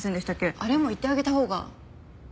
あれも言ってあげたほうが。